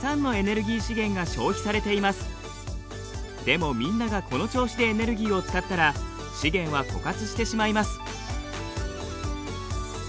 でもみんながこの調子でエネルギーを使ったら資源は枯渇してしまいます。